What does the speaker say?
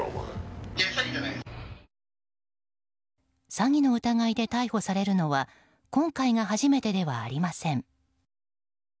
詐欺の疑いで逮捕されるのは今回が初めてではありません。